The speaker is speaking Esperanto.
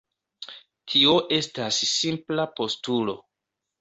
Tio estas simpla postulo.